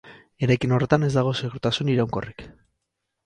Eraikin horretan ez dago segurtasun iraunkorrik.